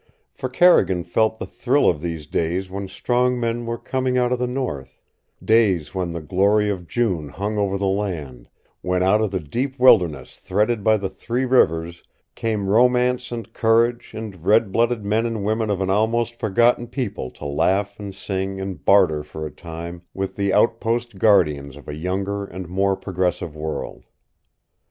For Carrigan felt the thrill of these days when strong men were coming out of the north days when the glory of June hung over the land, when out of the deep wilderness threaded by the Three Rivers came romance and courage and red blooded men and women of an almost forgotten people to laugh and sing and barter for a time with the outpost guardians of a younger and more progressive world.